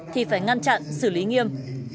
thì phải ngăn chặn xử lý nghiêm